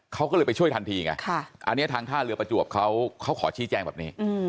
เขาก็เลยไปช่วยทันทีไงอันนี้ทางท่าเรือประจวบเขาขอชี้แจงแบบนี้